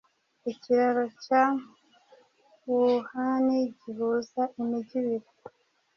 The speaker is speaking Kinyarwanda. Ikiraro cya Wuhan gihuza imijyi ibiri